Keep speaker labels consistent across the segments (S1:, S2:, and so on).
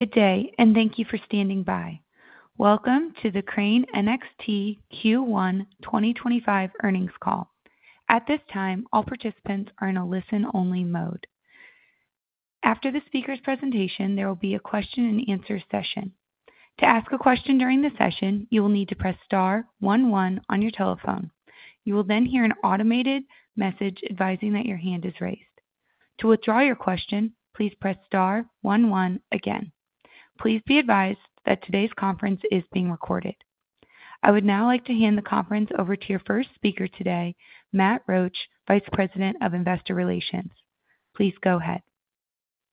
S1: Good day, and thank you for standing by. Welcome to the Crane NXT Q1 2025 earnings call. At this time, all participants are in a listen-only mode. After the speaker's presentation, there will be a question-and-answer session. To ask a question during the session, you will need to press star one-one on your telephone. You will then hear an automated message advising that your hand is raised. To withdraw your question, please press star one-one again. Please be advised that today's conference is being recorded. I would now like to hand the conference over to your first speaker today, Matt Roach, Vice President of Investor Relations. Please go ahead.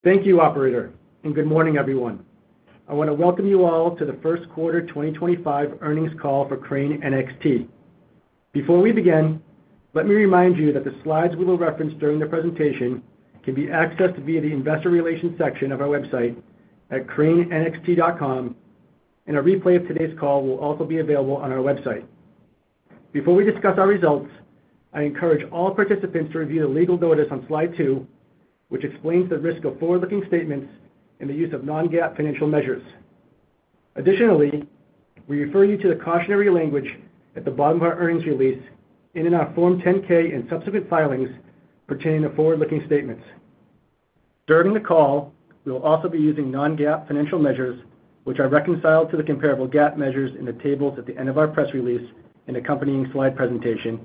S2: Thank you, Operator, and good morning, everyone. I want to welcome you all to the first quarter 2025 earnings call for Crane NXT. Before we begin, let me remind you that the slides we will reference during the presentation can be accessed via the Investor Relations section of our website at cranenxt.com, and a replay of today's call will also be available on our website. Before we discuss our results, I encourage all participants to review the legal notice on slide two, which explains the risk of forward-looking statements and the use of non-GAAP financial measures. Additionally, we refer you to the cautionary language at the bottom of our earnings release and in our Form 10-K and subsequent filings pertaining to forward-looking statements. During the call, we will also be using non-GAAP financial measures, which are reconciled to the comparable GAAP measures in the tables at the end of our press release and accompanying slide presentation,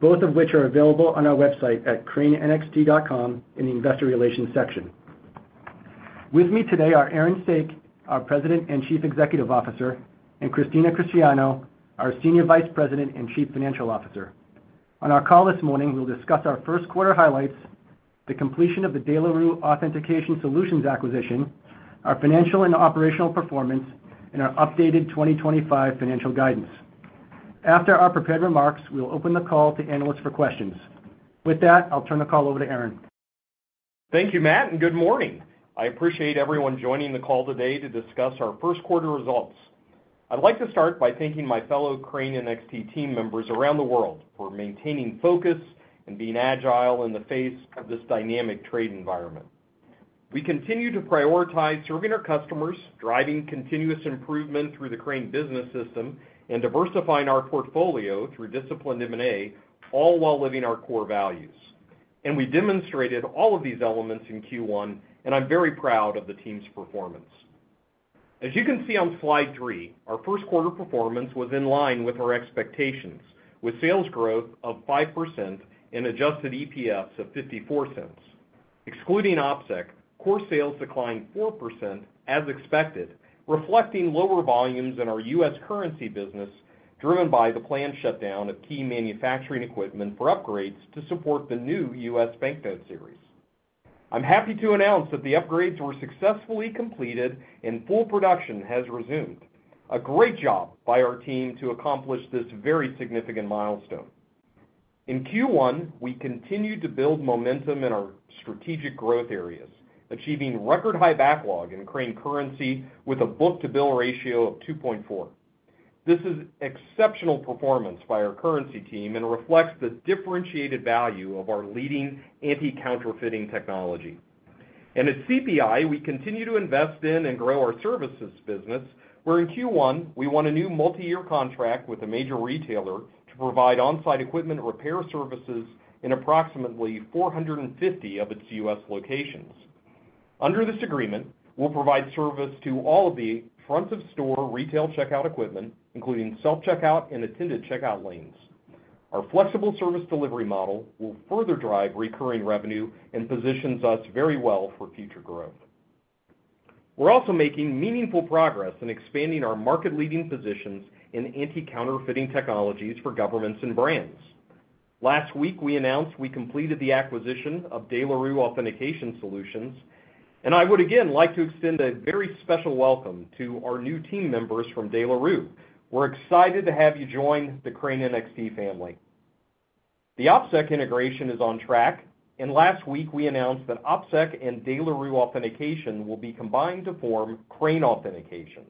S2: both of which are available on our website at cranenxt.com in the Investor Relations section. With me today are Aaron Saak, our President and Chief Executive Officer, and Christina Cristiano, our Senior Vice President and Chief Financial Officer. On our call this morning, we'll discuss our first quarter highlights, the completion of the De La Rue Authentication Solutions acquisition, our financial and operational performance, and our updated 2025 financial guidance. After our prepared remarks, we'll open the call to analysts for questions. With that, I'll turn the call over to Aaron.
S3: Thank you, Matt, and good morning. I appreciate everyone joining the call today to discuss our first quarter results. I'd like to start by thanking my fellow Crane NXT team members around the world for maintaining focus and being agile in the face of this dynamic trade environment. We continue to prioritize serving our customers, driving continuous improvement through the Crane Business System, and diversifying our portfolio through disciplined M&A, all while living our core values. We demonstrated all of these elements in Q1, and I'm very proud of the team's performance. As you can see on slide three, our first quarter performance was in line with our expectations, with sales growth of 5% and adjusted EPS of $0.54. Excluding OPSEC, core sales declined 4%, as expected, reflecting lower volumes in our U.S. currency business, driven by the planned shutdown of key manufacturing equipment for upgrades to support the new U.S. banknote series. I'm happy to announce that the upgrades were successfully completed and full production has resumed. A great job by our team to accomplish this very significant milestone. In Q1, we continued to build momentum in our strategic growth areas, achieving record-high backlog in Crane Currency with a book-to-bill ratio of 2.4. This is exceptional performance by our currency team and reflects the differentiated value of our leading anti-counterfeiting technology. At CPI, we continue to invest in and grow our services business, where in Q1, we won a new multi-year contract with a major retailer to provide onsite equipment repair services in approximately 450 of its U.S. locations. Under this agreement, we'll provide service to all of the front-of-store retail checkout equipment, including self-checkout and attended checkout lanes. Our flexible service delivery model will further drive recurring revenue and positions us very well for future growth. We're also making meaningful progress in expanding our market-leading positions in anti-counterfeiting technologies for governments and brands. Last week, we announced we completed the acquisition of De La Rue Authentication Solutions, and I would again like to extend a very special welcome to our new team members from De La Rue. We're excited to have you join the Crane NXT family. The OPSEC integration is on track, and last week, we announced that OPSEC and De La Rue Authentication will be combined to form Crane Authentication.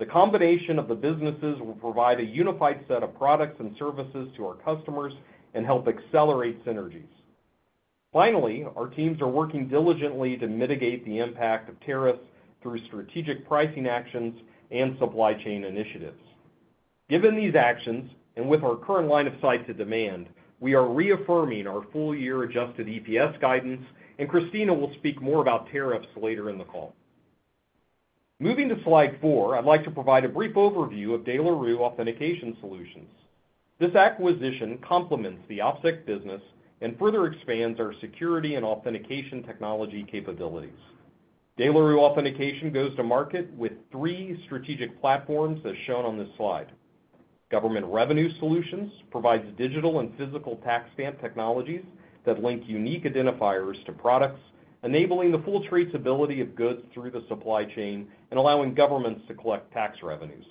S3: The combination of the businesses will provide a unified set of products and services to our customers and help accelerate synergies. Finally, our teams are working diligently to mitigate the impact of tariffs through strategic pricing actions and supply chain initiatives. Given these actions and with our current line of sight to demand, we are reaffirming our full-year adjusted EPS guidance, and Christina will speak more about tariffs later in the call. Moving to slide four, I'd like to provide a brief overview of De La Rue Authentication Solutions. This acquisition complements the OPSEC business and further expands our security and authentication technology capabilities. De La Rue Authentication goes to market with three strategic platforms, as shown on this slide. Government Revenue Solutions provides digital and physical tax stamp technologies that link unique identifiers to products, enabling the full traceability of goods through the supply chain and allowing governments to collect tax revenues.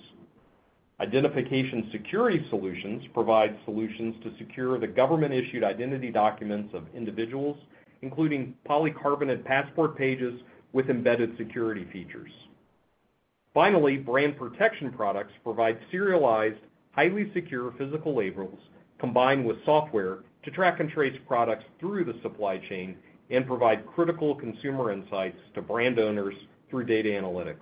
S3: Identification Security Solutions provides solutions to secure the government-issued identity documents of individuals, including polycarbonate passport pages with embedded security features. Finally, Brand Protection Products provides serialized, highly secure physical labels combined with software to track and trace products through the supply chain and provide critical consumer insights to brand owners through data analytics.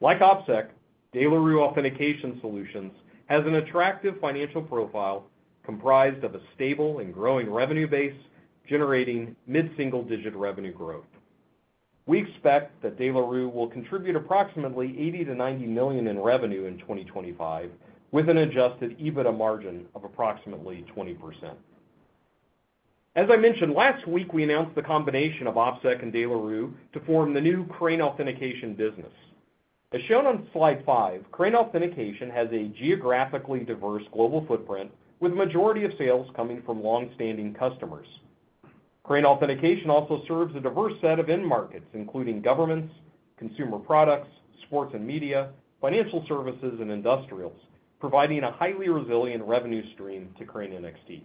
S3: Like OPSEC, De La Rue Authentication Solutions has an attractive financial profile comprised of a stable and growing revenue base, generating mid-single-digit revenue growth. We expect that De La Rue will contribute approximately $80 million-$90 million in revenue in 2025, with an adjusted EBITDA margin of approximately 20%. As I mentioned, last week, we announced the combination of OPSEC and De La Rue to form the new Crane Authentication business. As shown on slide five, Crane Authentication has a geographically diverse global footprint, with the majority of sales coming from long-standing customers. Crane Authentication also serves a diverse set of end markets, including governments, consumer products, sports and media, financial services, and industrials, providing a highly resilient revenue stream to Crane NXT.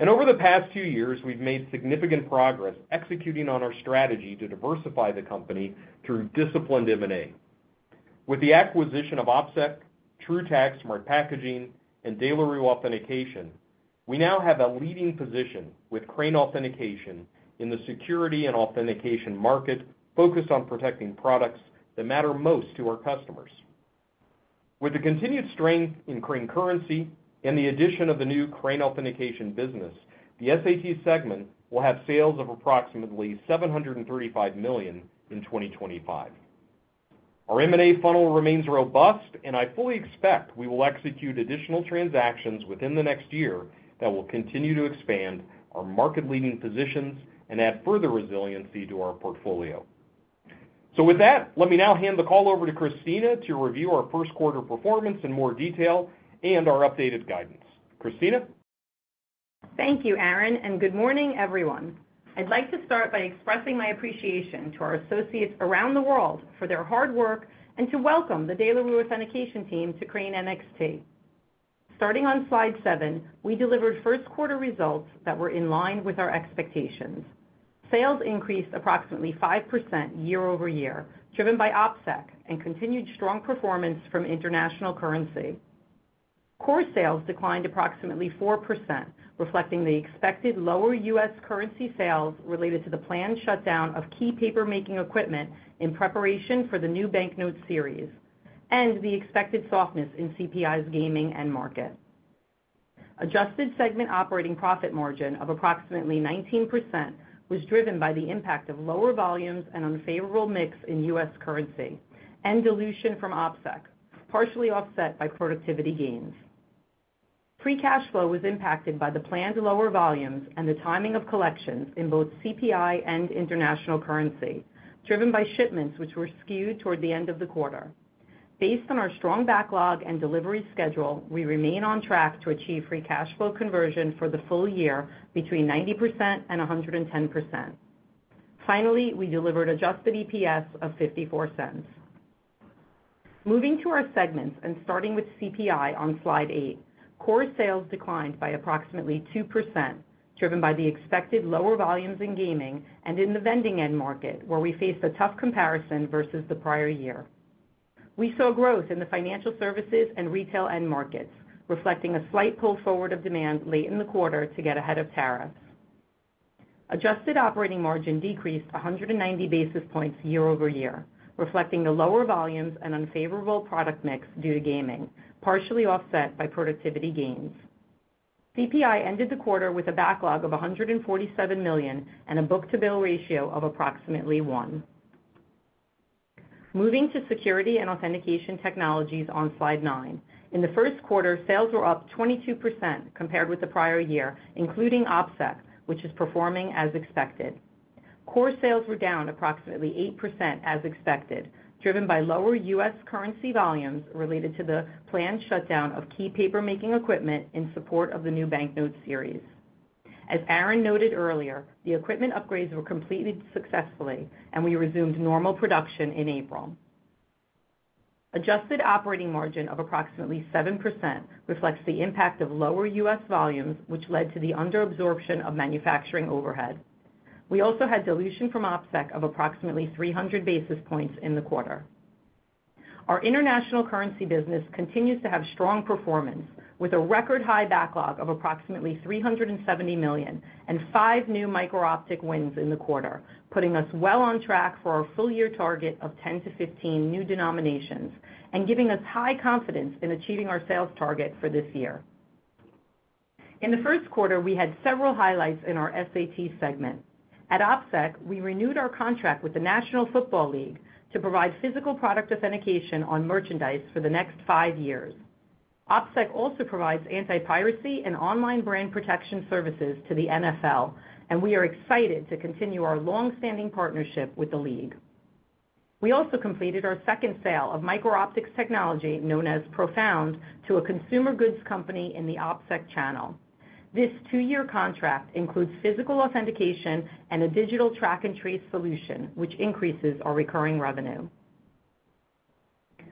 S3: Over the past few years, we've made significant progress executing on our strategy to diversify the company through disciplined M&A. With the acquisition of OPSEC, TrueTax Smart Packaging, and De La Rue Authentication, we now have a leading position with Crane Authentication in the security and authentication market focused on protecting products that matter most to our customers. With the continued strength in Crane Currency and the addition of the new Crane Authentication business, the SAT segment will have sales of approximately $735 million in 2025. Our M&A funnel remains robust, and I fully expect we will execute additional transactions within the next year that will continue to expand our market-leading positions and add further resiliency to our portfolio. With that, let me now hand the call over to Christina to review our first quarter performance in more detail and our updated guidance. Christina?
S4: Thank you, Aaron, and good morning, everyone. I'd like to start by expressing my appreciation to our associates around the world for their hard work and to welcome the De La Rue Authentication team to Crane NXT. Starting on slide seven, we delivered first-quarter results that were in line with our expectations. Sales increased approximately 5% year over year, driven by OPSEC and continued strong performance from international currency. Core sales declined approximately 4%, reflecting the expected lower U.S. currency sales related to the planned shutdown of key paper-making equipment in preparation for the new banknote series and the expected softness in CPI's gaming end market. Adjusted segment operating profit margin of approximately 19% was driven by the impact of lower volumes and unfavorable mix in U.S. currency and dilution from OPSEC, partially offset by productivity gains. Free cash flow was impacted by the planned lower volumes and the timing of collections in both CPI and international currency, driven by shipments which were skewed toward the end of the quarter. Based on our strong backlog and delivery schedule, we remain on track to achieve free cash flow conversion for the full year between 90% and 110%. Finally, we delivered adjusted EPS of $0.54. Moving to our segments and starting with CPI on slide eight, core sales declined by approximately 2%, driven by the expected lower volumes in gaming and in the vending end market, where we faced a tough comparison versus the prior year. We saw growth in the financial services and retail end markets, reflecting a slight pull forward of demand late in the quarter to get ahead of tariffs. Adjusted operating margin decreased 190 basis points year over year, reflecting the lower volumes and unfavorable product mix due to gaming, partially offset by productivity gains. CPI ended the quarter with a backlog of $147 million and a book-to-bill ratio of approximately one. Moving to security and authentication technologies on slide nine, in the first quarter, sales were up 22% compared with the prior year, including OPSEC, which is performing as expected. Core sales were down approximately 8% as expected, driven by lower U.S. currency volumes related to the planned shutdown of key paper-making equipment in support of the new banknote series. As Aaron noted earlier, the equipment upgrades were completed successfully, and we resumed normal production in April. Adjusted operating margin of approximately 7% reflects the impact of lower U.S. volumes, which led to the under-absorption of manufacturing overhead. We also had dilution from OPSEC of approximately 300 basis points in the quarter. Our international currency business continues to have strong performance, with a record-high backlog of approximately $370 million and five new micro-optic wins in the quarter, putting us well on track for our full-year target of 10-15 new denominations and giving us high confidence in achieving our sales target for this year. In the first quarter, we had several highlights in our SAT segment. At OPSEC, we renewed our contract with the National Football League to provide physical product authentication on merchandise for the next five years. OPSEC also provides anti-piracy and online brand protection services to the NFL, and we are excited to continue our long-standing partnership with the league. We also completed our second sale of micro-optics technology known as Profound to a consumer goods company in the OPSEC channel. This two-year contract includes physical authentication and a digital track and trace solution, which increases our recurring revenue.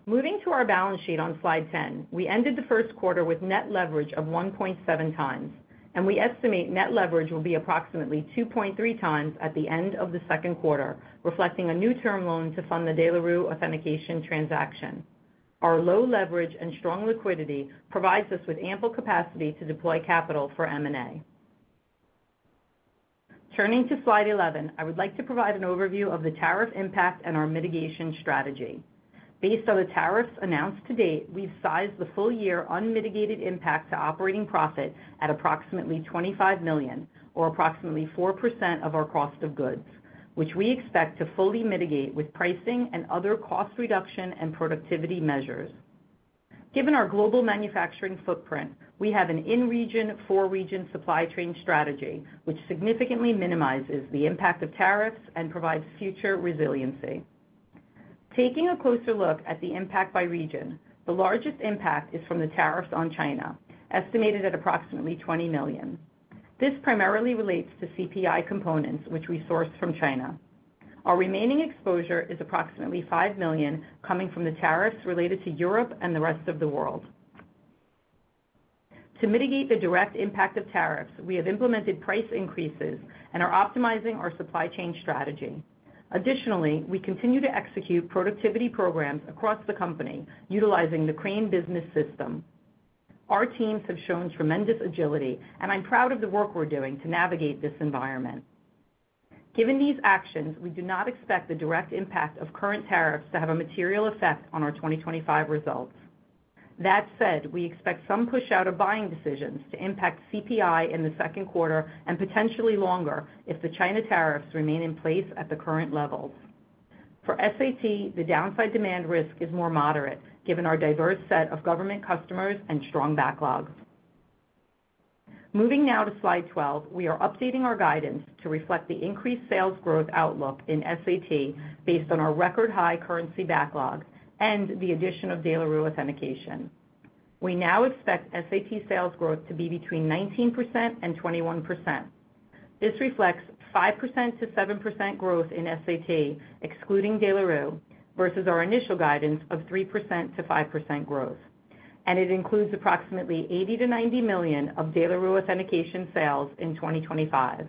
S4: Moving to our balance sheet on slide 10, we ended the first quarter with net leverage of 1.7 times, and we estimate net leverage will be approximately 2.3 times at the end of the second quarter, reflecting a new term loan to fund the De La Rue Authentication transaction. Our low leverage and strong liquidity provides us with ample capacity to deploy capital for M&A. Turning to slide 11, I would like to provide an overview of the tariff impact and our mitigation strategy. Based on the tariffs announced to date, we've sized the full-year unmitigated impact to operating profit at approximately $25 million, or approximately 4% of our cost of goods, which we expect to fully mitigate with pricing and other cost reduction and productivity measures. Given our global manufacturing footprint, we have an in-region, four-region supply chain strategy, which significantly minimizes the impact of tariffs and provides future resiliency. Taking a closer look at the impact by region, the largest impact is from the tariffs on China, estimated at approximately $20 million. This primarily relates to CPI components, which we sourced from China. Our remaining exposure is approximately $5 million, coming from the tariffs related to Europe and the rest of the world. To mitigate the direct impact of tariffs, we have implemented price increases and are optimizing our supply chain strategy. Additionally, we continue to execute productivity programs across the company, utilizing the Crane Business System. Our teams have shown tremendous agility, and I'm proud of the work we're doing to navigate this environment. Given these actions, we do not expect the direct impact of current tariffs to have a material effect on our 2025 results. That said, we expect some push-out of buying decisions to impact CPI in the second quarter and potentially longer if the China tariffs remain in place at the current levels. For SAT, the downside demand risk is more moderate, given our diverse set of government customers and strong backlog. Moving now to slide 12, we are updating our guidance to reflect the increased sales growth outlook in SAT based on our record-high currency backlog and the addition of De La Rue Authentication. We now expect SAT sales growth to be between 19% and 21%. This reflects 5%-7% growth in SAT, excluding De La Rue, versus our initial guidance of 3%-5% growth, and it includes approximately $80 million-$90 million of De La Rue Authentication sales in 2025.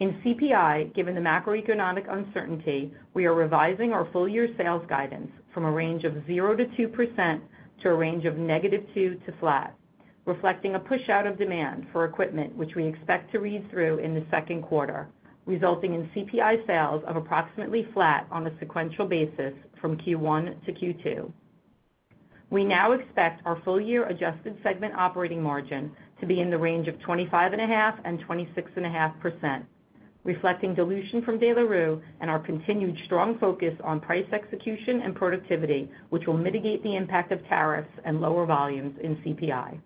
S4: In CPI, given the macroeconomic uncertainty, we are revising our full-year sales guidance from a range of 0%-2% to a range of negative 2% to flat, reflecting a push-out of demand for equipment, which we expect to read through in the second quarter, resulting in CPI sales of approximately flat on a sequential basis from Q1 to Q2. We now expect our full-year adjusted segment operating margin to be in the range of 25.5%-26.5%, reflecting dilution from De La Rue and our continued strong focus on price execution and productivity, which will mitigate the impact of tariffs and lower volumes in CPI.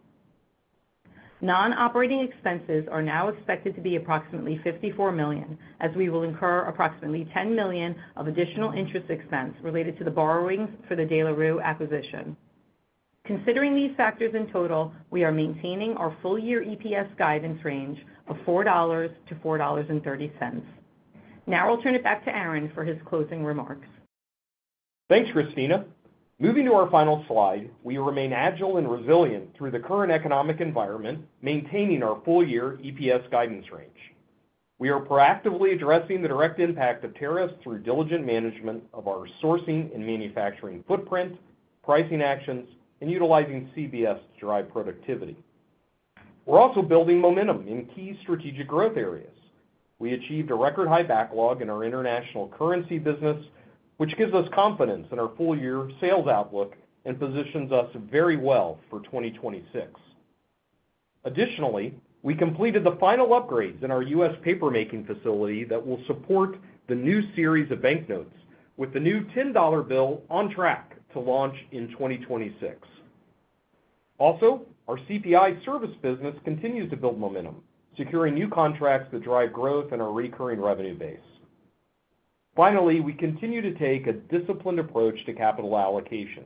S4: Non-operating expenses are now expected to be approximately $54 million, as we will incur approximately $10 million of additional interest expense related to the borrowings for the De La Rue acquisition. Considering these factors in total, we are maintaining our full-year EPS guidance range of $4-$4.30. Now I'll turn it back to Aaron for his closing remarks.
S3: Thanks, Christina. Moving to our final slide, we remain agile and resilient through the current economic environment, maintaining our full-year EPS guidance range. We are proactively addressing the direct impact of tariffs through diligent management of our sourcing and manufacturing footprint, pricing actions, and utilizing CBS to drive productivity. We're also building momentum in key strategic growth areas. We achieved a record-high backlog in our international currency business, which gives us confidence in our full-year sales outlook and positions us very well for 2026. Additionally, we completed the final upgrades in our U.S. paper-making facility that will support the new series of banknotes, with the new $10 bill on track to launch in 2026. Also, our CPI service business continues to build momentum, securing new contracts that drive growth and our recurring revenue base. Finally, we continue to take a disciplined approach to capital allocation.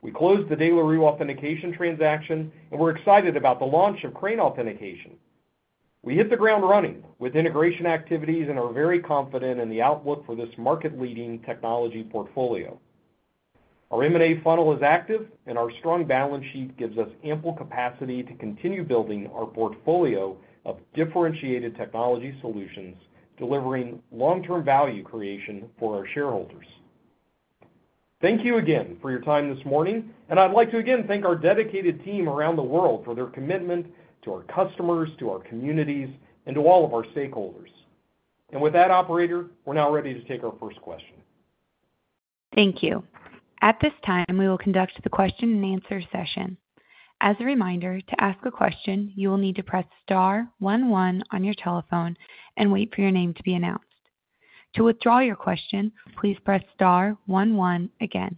S3: We closed the De La Rue Authentication transaction, and we're excited about the launch of Crane Authentication. We hit the ground running with integration activities and are very confident in the outlook for this market-leading technology portfolio. Our M&A funnel is active, and our strong balance sheet gives us ample capacity to continue building our portfolio of differentiated technology solutions, delivering long-term value creation for our shareholders. Thank you again for your time this morning, and I'd like to again thank our dedicated team around the world for their commitment to our customers, to our communities, and to all of our stakeholders. With that, operator, we're now ready to take our first question.
S1: Thank you. At this time, we will conduct the question-and-answer session. As a reminder, to ask a question, you will need to press star 11 on your telephone and wait for your name to be announced. To withdraw your question, please press star 11 again.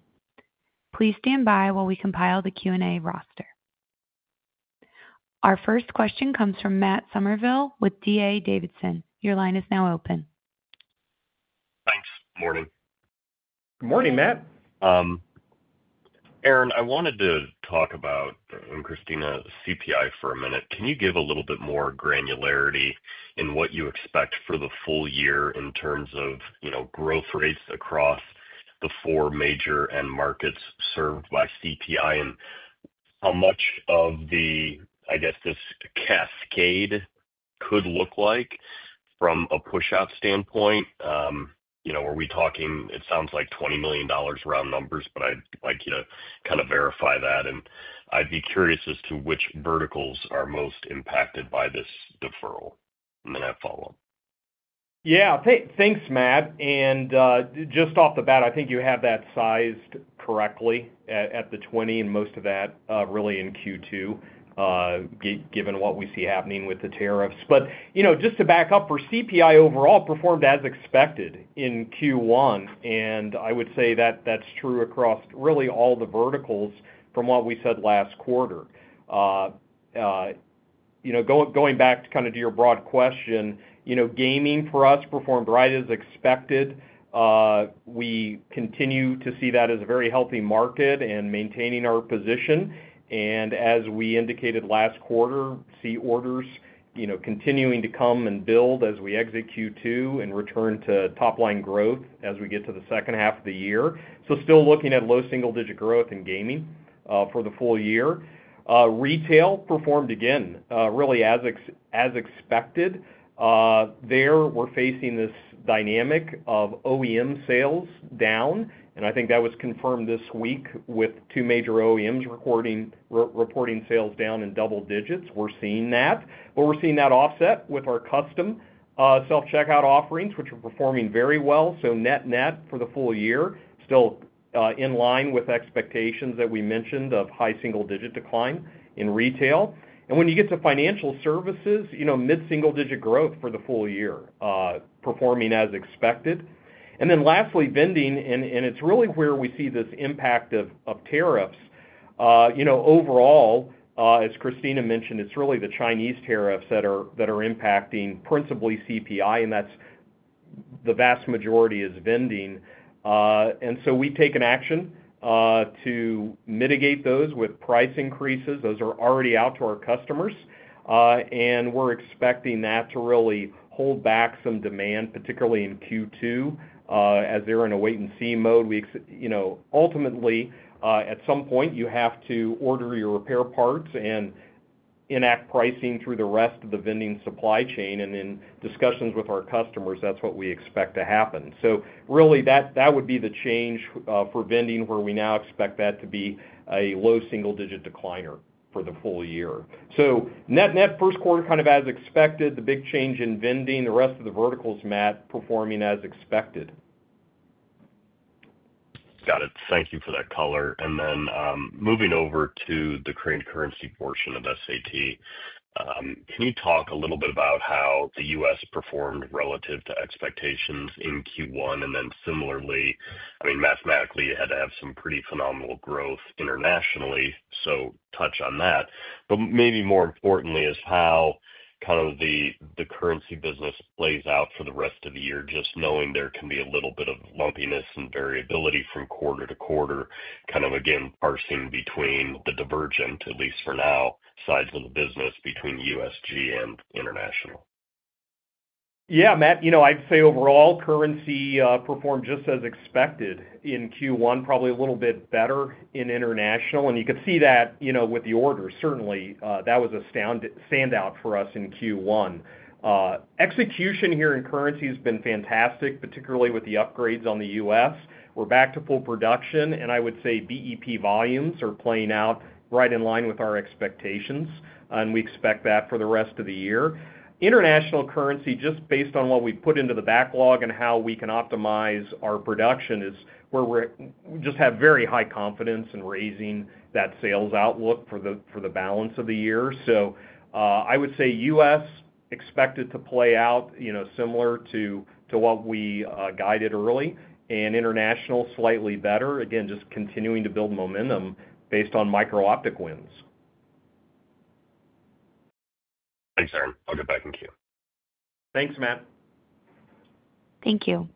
S1: Please stand by while we compile the Q&A roster. Our first question comes from Matt Somerville with DA Davidson. Your line is now open.
S5: Thanks. Good morning.
S3: Good morning, Matt.
S5: Aaron, I wanted to talk about, and Christina, CPI for a minute. Can you give a little bit more granularity in what you expect for the full year in terms of growth rates across the four major end markets served by CPI and how much of the, I guess, this cascade could look like from a push-out standpoint? Are we talking, it sounds like, $20 million round numbers, but I'd like you to kind of verify that. I'd be curious as to which verticals are most impacted by this deferral, and then I'll follow up.
S3: Yeah. Thanks, Matt. And just off the bat, I think you have that sized correctly at the 20, and most of that really in Q2, given what we see happening with the tariffs. But just to back up, for CPI overall, it performed as expected in Q1, and I would say that that's true across really all the verticals from what we said last quarter. Going back kind of to your broad question, gaming for us performed right as expected. We continue to see that as a very healthy market and maintaining our position. And as we indicated last quarter, we see orders continuing to come and build as we exit Q2 and return to top-line growth as we get to the second half of the year. So still looking at low single-digit growth in gaming for the full year. Retail performed again really as expected. There we're facing this dynamic of OEM sales down, and I think that was confirmed this week with two major OEMs reporting sales down in double digits. We're seeing that. We're seeing that offset with our custom self-checkout offerings, which are performing very well. Net-net for the full year, still in line with expectations that we mentioned of high single-digit decline in retail. When you get to financial services, mid-single-digit growth for the full year, performing as expected. Lastly, vending, and it's really where we see this impact of tariffs. Overall, as Christina mentioned, it's really the Chinese tariffs that are impacting principally CPI, and that's the vast majority is vending. We've taken action to mitigate those with price increases. Those are already out to our customers, and we're expecting that to really hold back some demand, particularly in Q2, as they're in a wait-and-see mode. Ultimately, at some point, you have to order your repair parts and enact pricing through the rest of the vending supply chain, and in discussions with our customers, that's what we expect to happen. That would be the change for vending where we now expect that to be a low single-digit decline for the full year. Net-net first quarter kind of as expected, the big change in vending, the rest of the verticals, Matt, performing as expected.
S5: Got it. Thank you for that color. Then moving over to the Crane Currency portion of SAT, can you talk a little bit about how the U.S. performed relative to expectations in Q1? Similarly, I mean, mathematically, it had to have some pretty phenomenal growth internationally, so touch on that. Maybe more importantly is how kind of the currency business plays out for the rest of the year, just knowing there can be a little bit of lumpiness and variability from quarter to quarter, kind of again parsing between the divergent, at least for now, sides of the business between U.S.G. and international.
S3: Yeah, Matt, I'd say overall currency performed just as expected in Q1, probably a little bit better in international. You could see that with the orders. Certainly, that was a standout for us in Q1. Execution here in currency has been fantastic, particularly with the upgrades on the U.S. We're back to full production, and I would say BEP volumes are playing out right in line with our expectations, and we expect that for the rest of the year. International currency, just based on what we've put into the backlog and how we can optimize our production, is where we just have very high confidence in raising that sales outlook for the balance of the year. I would say U.S. expected to play out similar to what we guided early, and international slightly better, again, just continuing to build momentum based on micro-optic wins.
S5: Thanks, Aaron. I'll get back in Q.
S3: Thanks, Matt.
S1: Thank you.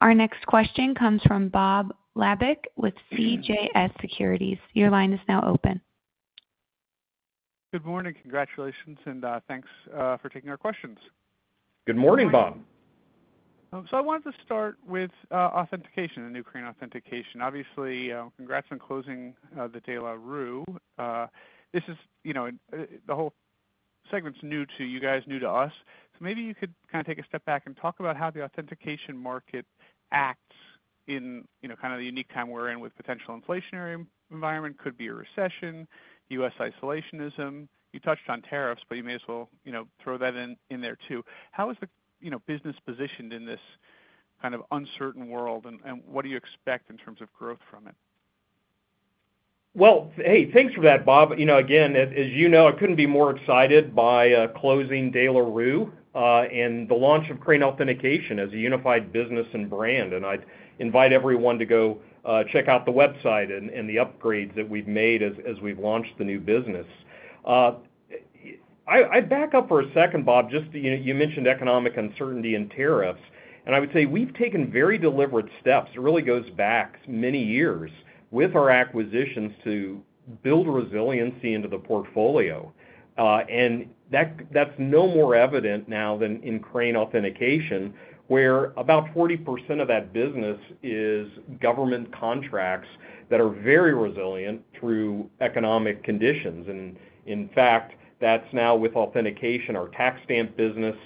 S1: Our next question comes from Bob Labick with CJS Securities. Your line is now open.
S6: Good morning. Congratulations, and thanks for taking our questions.
S3: Good morning, Bob.
S6: I wanted to start with authentication and new Crane Authentication. Obviously, congrats on closing the De La Rue. This is the whole segment's new to you guys, new to us. Maybe you could kind of take a step back and talk about how the authentication market acts in kind of the unique time we're in with potential inflationary environment, could be a recession, U.S. isolationism. You touched on tariffs, but you may as well throw that in there too. How is the business positioned in this kind of uncertain world, and what do you expect in terms of growth from it?
S3: Thanks for that, Bob. Again, as you know, I could not be more excited by closing De La Rue and the launch of Crane Authentication as a unified business and brand. I would invite everyone to go check out the website and the upgrades that we have made as we have launched the new business. I would back up for a second, Bob, just you mentioned economic uncertainty and tariffs, and I would say we have taken very deliberate steps. It really goes back many years with our acquisitions to build resiliency into the portfolio. That is no more evident now than in Crane Authentication, where about 40% of that business is government contracts that are very resilient through economic conditions. In fact, that is now with authentication, our tax stamp business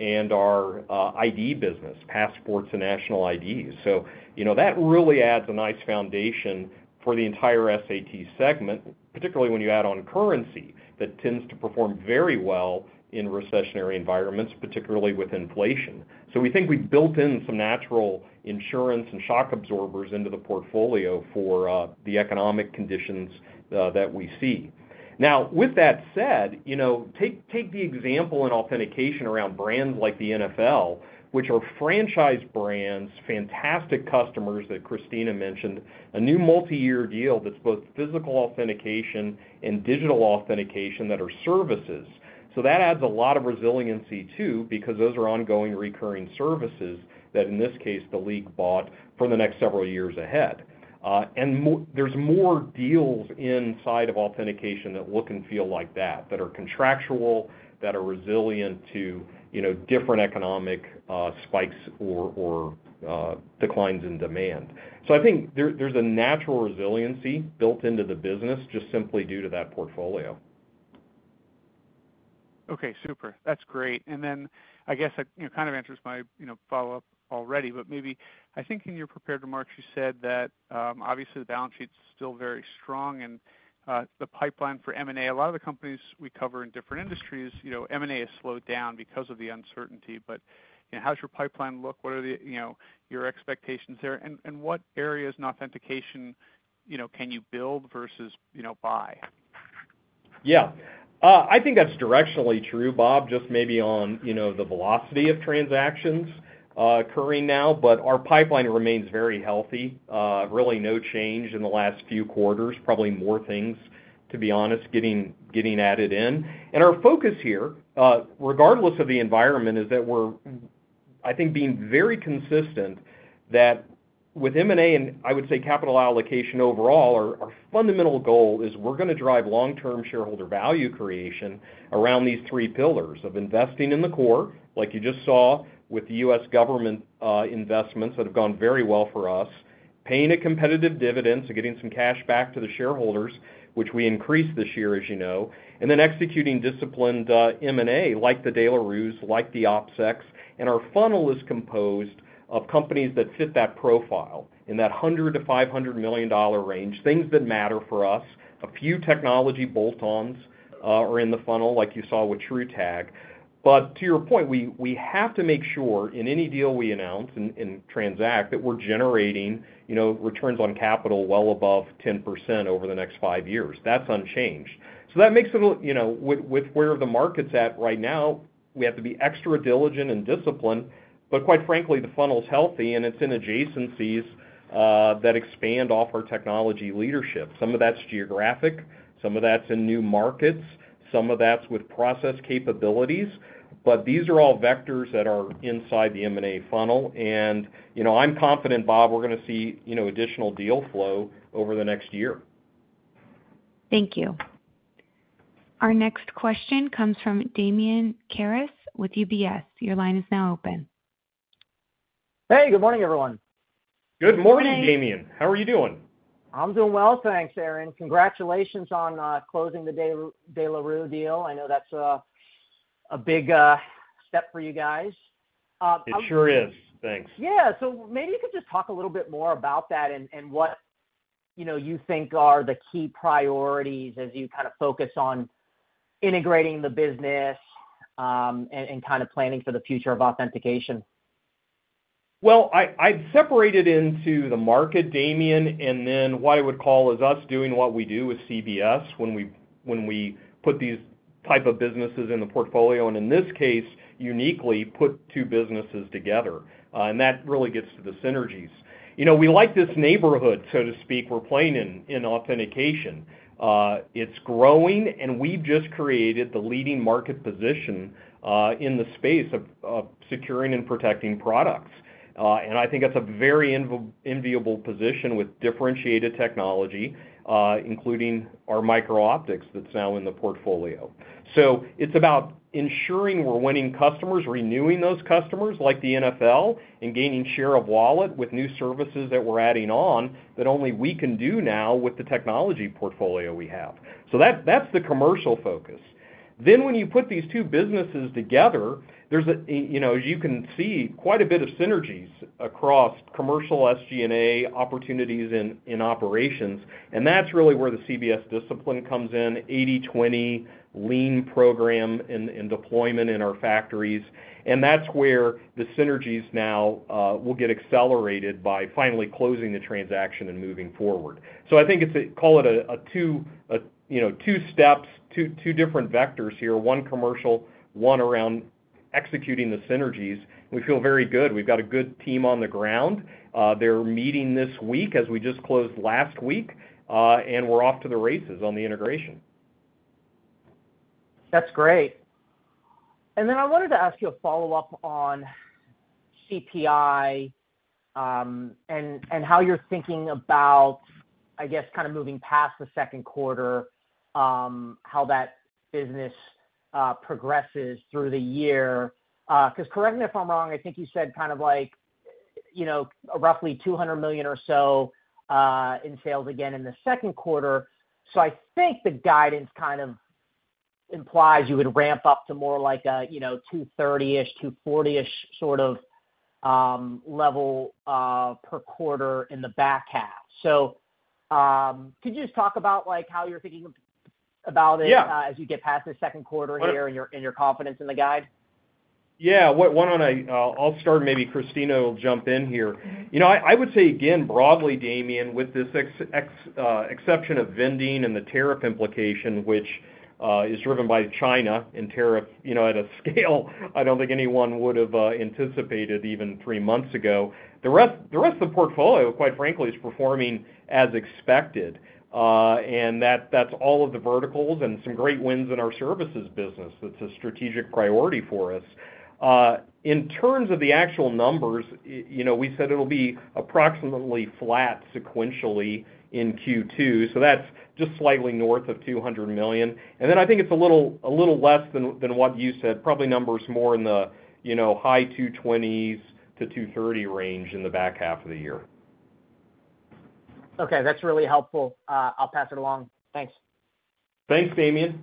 S3: and our ID business, passports and national IDs. That really adds a nice foundation for the entire SAT segment, particularly when you add on currency that tends to perform very well in recessionary environments, particularly with inflation. We think we've built in some natural insurance and shock absorbers into the portfolio for the economic conditions that we see. Now, with that said, take the example in authentication around brands like the NFL, which are franchise brands, fantastic customers that Christina mentioned, a new multi-year deal that's both physical authentication and digital authentication that are services. That adds a lot of resiliency too because those are ongoing recurring services that, in this case, the league bought for the next several years ahead. There are more deals inside of authentication that look and feel like that, that are contractual, that are resilient to different economic spikes or declines in demand. I think there's a natural resiliency built into the business just simply due to that portfolio.
S6: Okay, super. That's great. I guess it kind of answers my follow-up already, but maybe I think in your prepared remarks you said that obviously the balance sheet is still very strong and the pipeline for M&A. A lot of the companies we cover in different industries, M&A has slowed down because of the uncertainty. How does your pipeline look? What are your expectations there? What areas in authentication can you build versus buy?
S3: Yeah. I think that's directionally true, Bob, just maybe on the velocity of transactions occurring now. Our pipeline remains very healthy, really no change in the last few quarters, probably more things, to be honest, getting added in. Our focus here, regardless of the environment, is that we're, I think, being very consistent that with M&A and I would say capital allocation overall, our fundamental goal is we're going to drive long-term shareholder value creation around these three pillars of investing in the core, like you just saw with the U.S. government investments that have gone very well for us, paying a competitive dividend, so getting some cash back to the shareholders, which we increased this year, as you know, and then executing disciplined M&A like the De La Rue, like the OPSEC. Our funnel is composed of companies that fit that profile in that $100 million-$500 million range, things that matter for us. A few technology bolt-ons are in the funnel, like you saw with TruTag. To your point, we have to make sure in any deal we announce and transact that we're generating returns on capital well above 10% over the next five years. That's unchanged. That makes it, with where the market's at right now, we have to be extra diligent and disciplined. Quite frankly, the funnel's healthy, and it's in adjacencies that expand off our technology leadership. Some of that's geographic, some of that's in new markets, some of that's with process capabilities. These are all vectors that are inside the M&A funnel. I'm confident, Bob, we're going to see additional deal flow over the next year.
S1: Thank you. Our next question comes from Damien Carris with UBS. Your line is now open.
S7: Hey, good morning, everyone.
S3: Good morning, Damien. How are you doing?
S7: I'm doing well, thanks, Aaron. Congratulations on closing the De La Rue deal. I know that's a big step for you guys.
S3: It sure is. Thanks.
S7: Yeah. So maybe you could just talk a little bit more about that and what you think are the key priorities as you kind of focus on integrating the business and kind of planning for the future of authentication.
S3: I would separate it into the market, Damien, and then what I would call is us doing what we do with CBS when we put these types of businesses in the portfolio, and in this case, uniquely, put two businesses together. That really gets to the synergies. We like this neighborhood, so to speak, we're playing in authentication. It's growing, and we've just created the leading market position in the space of securing and protecting products. I think it's a very enviable position with differentiated technology, including our micro-optics that's now in the portfolio. It's about ensuring we're winning customers, renewing those customers like the NFL, and gaining share of wallet with new services that we're adding on that only we can do now with the technology portfolio we have. That's the commercial focus. When you put these two businesses together, as you can see, quite a bit of synergies across commercial SG&A opportunities in operations. That is really where the CBS discipline comes in, 80/20 lean program and deployment in our factories. That is where the synergies now will get accelerated by finally closing the transaction and moving forward. I think it is a, call it a two steps, two different vectors here, one commercial, one around executing the synergies. We feel very good. We have got a good team on the ground. They are meeting this week, as we just closed last week, and we are off to the races on the integration.
S7: That's great. I wanted to ask you a follow-up on CPI and how you're thinking about, I guess, kind of moving past the second quarter, how that business progresses through the year. Because correct me if I'm wrong, I think you said kind of like roughly $200 million or so in sales again in the second quarter. I think the guidance kind of implies you would ramp up to more like a $230 million-$240 million sort of level per quarter in the back half. Could you just talk about how you're thinking about it as you get past the second quarter here and your confidence in the guide?
S3: Yeah. I'll start, and maybe Christina will jump in here. I would say, again, broadly, Damien, with this exception of vending and the tariff implication, which is driven by China and tariff at a scale I do not think anyone would have anticipated even three months ago, the rest of the portfolio, quite frankly, is performing as expected. That is all of the verticals and some great wins in our services business. That is a strategic priority for us. In terms of the actual numbers, we said it will be approximately flat sequentially in Q2. That is just slightly north of $200 million. I think it is a little less than what you said, probably numbers more in the high $220 million-$230 million range in the back half of the year.
S7: Okay. That's really helpful. I'll pass it along. Thanks.
S3: Thanks, Damien.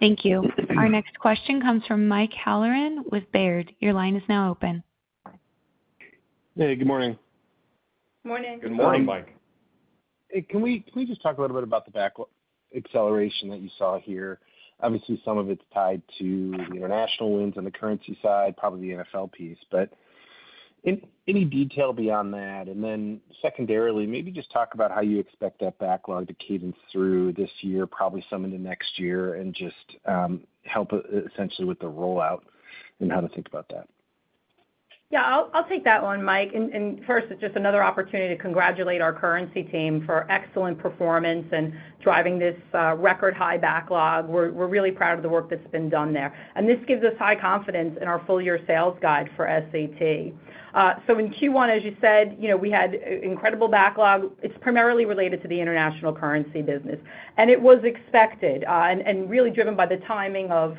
S1: Thank you. Our next question comes from Mike Halloran with Baird. Your line is now open.
S8: Hey, good morning.
S4: Good morning.
S3: Good morning, Mike.
S8: Can we just talk a little bit about the backlog acceleration that you saw here? Obviously, some of it's tied to the international wins on the currency side, probably the NFL piece, but any detail beyond that? Secondarily, maybe just talk about how you expect that backlog to cadence through this year, probably some into next year, and just help essentially with the rollout and how to think about that.
S4: Yeah. I'll take that one, Mike. First, it's just another opportunity to congratulate our currency team for excellent performance and driving this record-high backlog. We're really proud of the work that's been done there. This gives us high confidence in our full-year sales guide for SAT. In Q1, as you said, we had incredible backlog. It's primarily related to the international currency business. It was expected and really driven by the timing of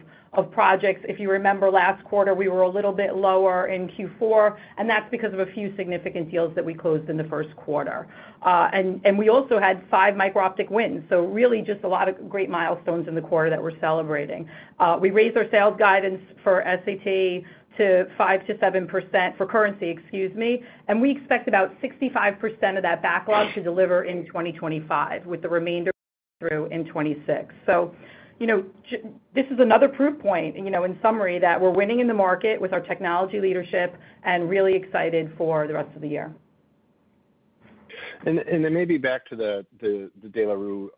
S4: projects. If you remember last quarter, we were a little bit lower in Q4, and that's because of a few significant deals that we closed in the first quarter. We also had five micro-optic wins. Really just a lot of great milestones in the quarter that we're celebrating. We raised our sales guidance for SAT to 5%-7% for currency, excuse me. We expect about 65% of that backlog to deliver in 2025, with the remainder through in 2026. This is another proof point, in summary, that we're winning in the market with our technology leadership and really excited for the rest of the year.
S8: Maybe back to the De La Rue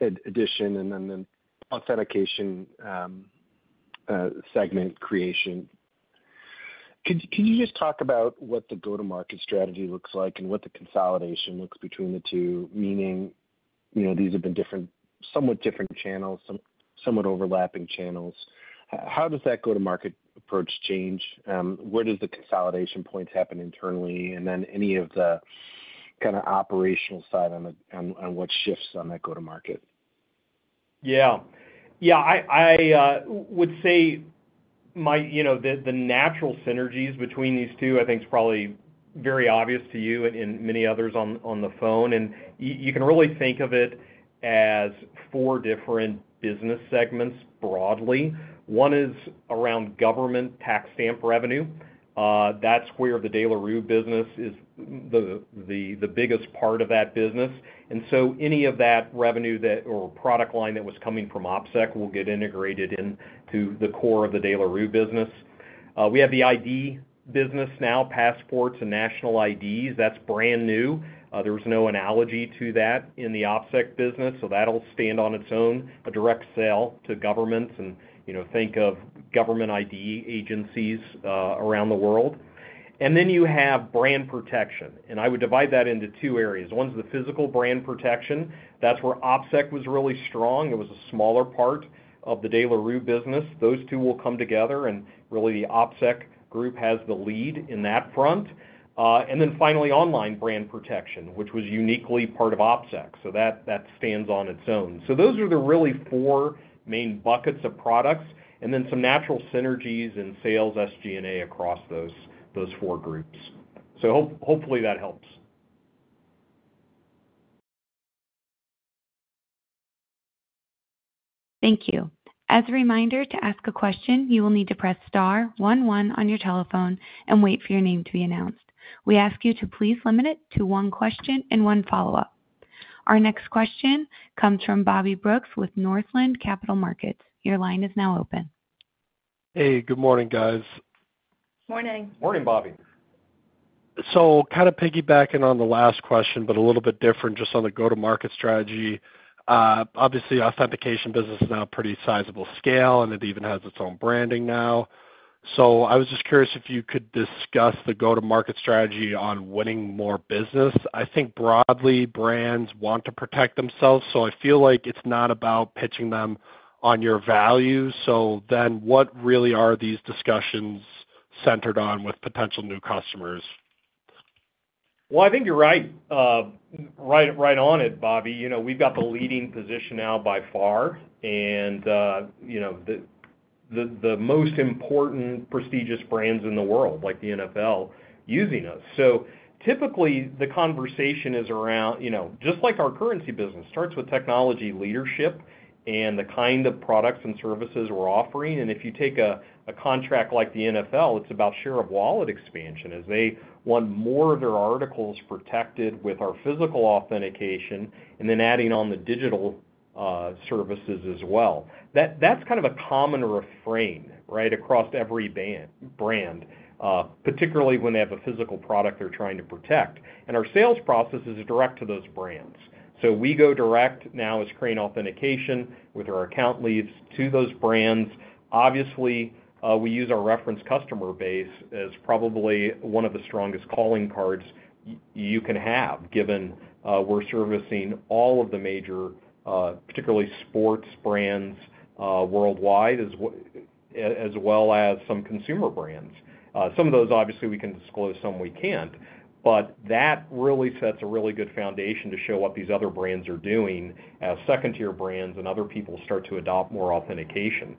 S8: addition and then the authentication segment creation. Can you just talk about what the go-to-market strategy looks like and what the consolidation looks between the two, meaning these have been somewhat different channels, somewhat overlapping channels? How does that go-to-market approach change? Where does the consolidation point happen internally? Any of the kind of operational side on what shifts on that go-to-market?
S3: Yeah. Yeah. I would say the natural synergies between these two, I think, is probably very obvious to you and many others on the phone. You can really think of it as four different business segments broadly. One is around government tax stamp revenue. That is where the De La Rue business is the biggest part of that business. Any of that revenue or product line that was coming from OPSEC will get integrated into the core of the De La Rue business. We have the ID business now, passports and national IDs. That is brand new. There was no analogy to that in the OPSEC business, so that will stand on its own, a direct sale to governments, and think of government ID agencies around the world. You have brand protection. I would divide that into two areas. One is the physical brand protection. That's where OPSEC was really strong. It was a smaller part of the De La Rue business. Those two will come together, and really the OPSEC group has the lead in that front. Finally, online brand protection, which was uniquely part of OPSEC. That stands on its own. Those are the really four main buckets of products, and then some natural synergies and sales SG&A across those four groups. Hopefully that helps.
S1: Thank you. As a reminder, to ask a question, you will need to press star 11 on your telephone and wait for your name to be announced. We ask you to please limit it to one question and one follow-up. Our next question comes from Bobby Brooks with Northland Capital Markets. Your line is now open.
S6: Hey, good morning, guys.
S4: Morning.
S3: Morning, Bobby.
S6: Kind of piggybacking on the last question, but a little bit different just on the go-to-market strategy. Obviously, authentication business is now a pretty sizable scale, and it even has its own branding now. I was just curious if you could discuss the go-to-market strategy on winning more business. I think broadly, brands want to protect themselves, so I feel like it's not about pitching them on your value. What really are these discussions centered on with potential new customers?
S3: I think you're right on it, Bobby. We've got the leading position now by far, and the most important prestigious brands in the world, like the NFL, using us. Typically, the conversation is around, just like our currency business, starts with technology leadership and the kind of products and services we're offering. If you take a contract like the NFL, it's about share of wallet expansion as they want more of their articles protected with our physical authentication and then adding on the digital services as well. That's kind of a common refrain, right, across every brand, particularly when they have a physical product they're trying to protect. Our sales process is direct to those brands. We go direct now as Crane Authentication with our account leads to those brands. Obviously, we use our reference customer base as probably one of the strongest calling cards you can have, given we're servicing all of the major, particularly sports brands worldwide, as well as some consumer brands. Some of those, obviously, we can disclose; some we can't. That really sets a really good foundation to show what these other brands are doing as second-tier brands and other people start to adopt more authentication.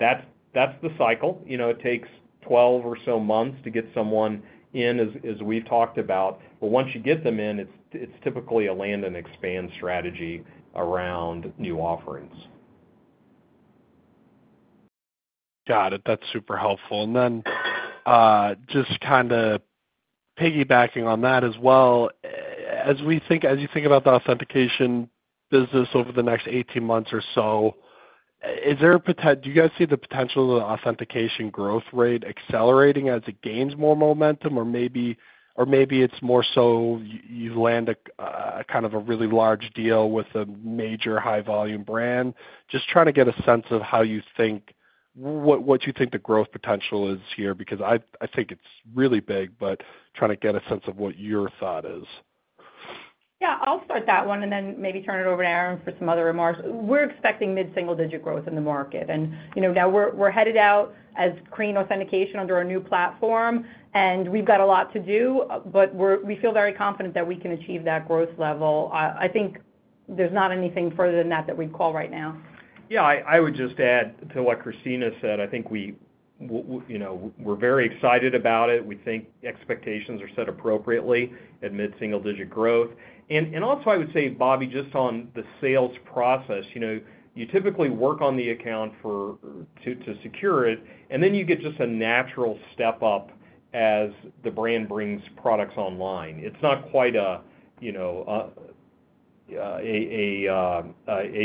S3: That's the cycle. It takes 12 or so months to get someone in, as we've talked about. Once you get them in, it's typically a land and expand strategy around new offerings.
S6: Got it. That's super helpful. Just kind of piggybacking on that as well, as you think about the authentication business over the next 18 months or so, do you guys see the potential of the authentication growth rate accelerating as it gains more momentum, or maybe it's more so you land kind of a really large deal with a major high-volume brand? Just trying to get a sense of how you think what you think the growth potential is here, because I think it's really big, but trying to get a sense of what your thought is.
S4: Yeah. I'll start that one and then maybe turn it over to Aaron for some other remarks. We're expecting mid-single-digit growth in the market. Now we're headed out as Crane Authentication under our new platform, and we've got a lot to do, but we feel very confident that we can achieve that growth level. I think there's not anything further than that that we'd call right now.
S3: Yeah. I would just add to what Christina said. I think we're very excited about it. We think expectations are set appropriately at mid-single-digit growth. Also, I would say, Bobby, just on the sales process, you typically work on the account to secure it, and then you get just a natural step up as the brand brings products online. It's not quite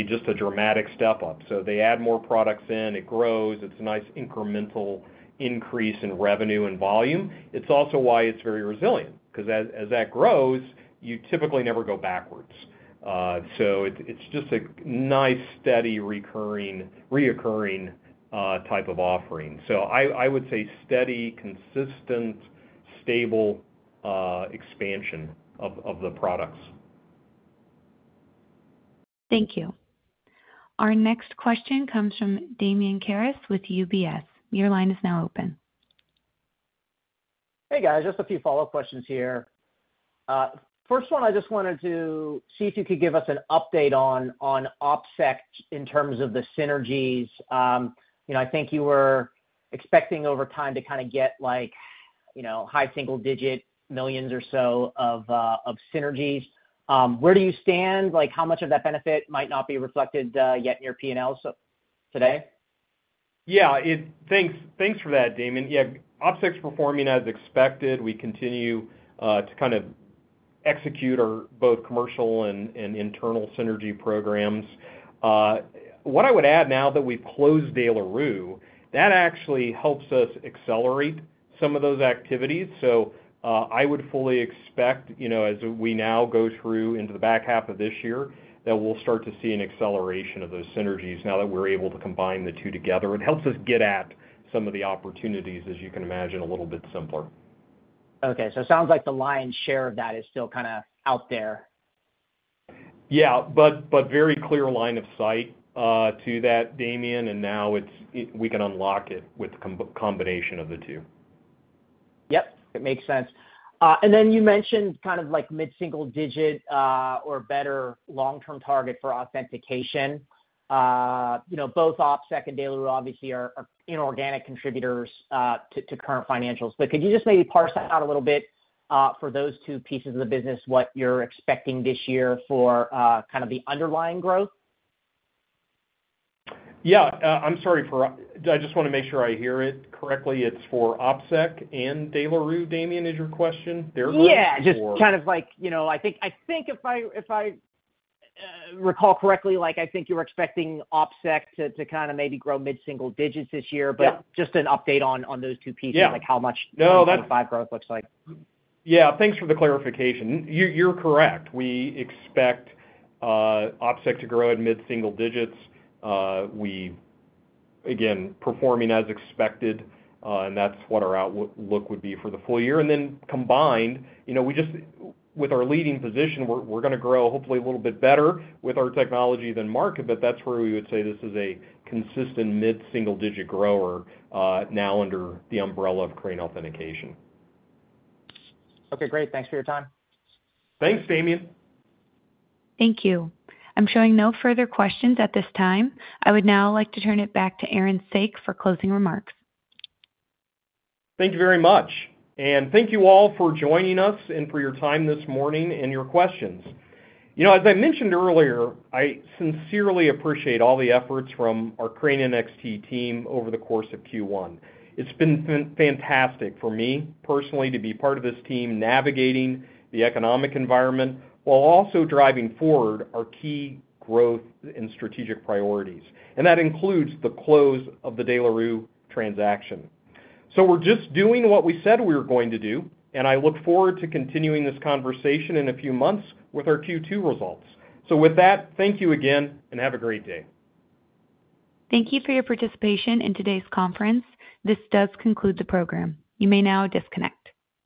S3: just a dramatic step up. They add more products in, it grows, it's a nice incremental increase in revenue and volume. It's also why it's very resilient, because as that grows, you typically never go backwards. It's just a nice, steady, reoccurring type of offering. I would say steady, consistent, stable expansion of the products.
S1: Thank you. Our next question comes from Damien Carris with UBS. Your line is now open.
S7: Hey, guys. Just a few follow-up questions here. First one, I just wanted to see if you could give us an update on OPSEC in terms of the synergies. I think you were expecting over time to kind of get high single-digit millions or so of synergies. Where do you stand? How much of that benefit might not be reflected yet in your P&L today?
S3: Yeah. Thanks for that, Damien. Yeah. OPSEC's performing as expected. We continue to kind of execute both commercial and internal synergy programs. What I would add now that we've closed De La Rue, that actually helps us accelerate some of those activities. I would fully expect, as we now go through into the back half of this year, that we'll start to see an acceleration of those synergies now that we're able to combine the two together. It helps us get at some of the opportunities, as you can imagine, a little bit simpler.
S7: Okay. So it sounds like the lion's share of that is still kind of out there.
S3: Yeah. Very clear line of sight to that, Damien, and now we can unlock it with a combination of the two.
S7: Yep. It makes sense. You mentioned kind of mid-single-digit or better long-term target for authentication. Both OPSEC and De La Rue obviously are inorganic contributors to current financials. Could you just maybe parse out a little bit for those two pieces of the business what you're expecting this year for kind of the underlying growth?
S3: Yeah. I'm sorry. I just want to make sure I hear it correctly. It's for OPSEC and De La Rue, Damien, is your question?
S7: Yeah. Just kind of like I think if I recall correctly, I think you were expecting OPSEC to kind of maybe grow mid-single digits this year, but just an update on those two pieces, how much growth looks like.
S3: Yeah. Thanks for the clarification. You're correct. We expect OPSEC to grow at mid-single digits, again, performing as expected, and that's what our outlook would be for the full year. Then combined, with our leading position, we're going to grow hopefully a little bit better with our technology than market, but that's where we would say this is a consistent mid-single-digit grower now under the umbrella of Crane Authentication.
S7: Okay. Great. Thanks for your time.
S3: Thanks, Damien.
S1: Thank you. I'm showing no further questions at this time. I would now like to turn it back to Aaron Saak for closing remarks.
S3: Thank you very much. Thank you all for joining us and for your time this morning and your questions. As I mentioned earlier, I sincerely appreciate all the efforts from our Crane NXT team over the course of Q1. It's been fantastic for me personally to be part of this team navigating the economic environment while also driving forward our key growth and strategic priorities. That includes the close of the De La Rue transaction. We are just doing what we said we were going to do, and I look forward to continuing this conversation in a few months with our Q2 results. Thank you again, and have a great day.
S1: Thank you for your participation in today's conference. This does conclude the program. You may now disconnect.